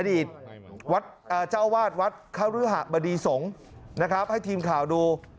อดีตเจ้าวาดวัดคฤหะบดีสงฆ์นะครับให้ทีมข่าวดู